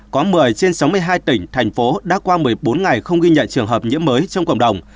có một mươi trên sáu mươi hai tỉnh thành phố đã qua một mươi bốn ngày không ghi nhận trường hợp nhiễm mới trong cộng đồng